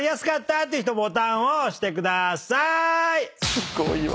すっごいわ。